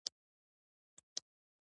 کورس د بحث کولو وړتیا ورکوي.